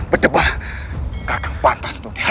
lalu apa masalahmu dengan itu